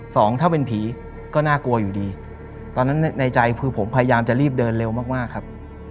สองถ้าเป็นผีก็น่ากลัวอยู่ดีตอนนั้นในใจคือผมพยายามจะรีบเดินเร็วมากมากครับ